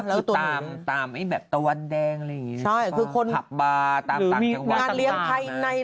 ก็คือตามตะวันแดงหับบาร์หรือมีงานเลี้ยงภายใน